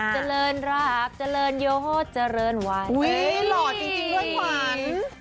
เจริญราบเจริญโยโฮเจริญวัน